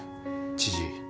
知事。